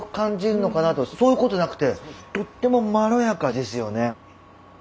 そういうことなくてとってもまろやかですよね。